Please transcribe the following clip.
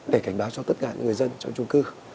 để cảnh báo cho tất cả những người dân trong trung cư